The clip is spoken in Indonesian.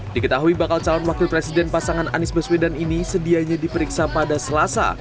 diketahui bakal calon wakil presiden pasangan anies baswedan ini sedianya diperiksa pada selasa